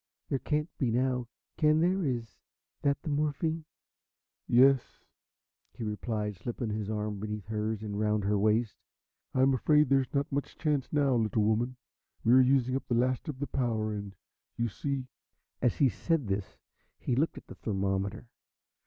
There can't be now, can there? Is that the morphine?" "Yes," he replied, slipping his arm beneath hers and round her waist. "I'm afraid there's not much chance now, little woman. We're using up the last of the power, and you see " As he said this he looked at the thermometer.